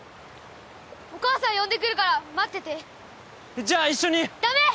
お母さん呼んでくるから待っててじゃあ一緒にダメ！